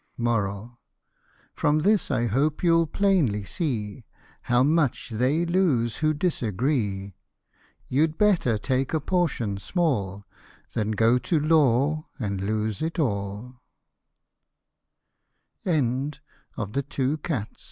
From this I hope you'll plainly see, How much they lose who disagree ; You'd better take a portion small, Than go to law and lose it al